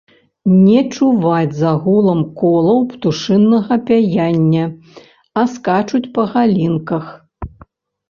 Не чуваць за гулам колаў птушынага пяяння, а скачуць па галінках.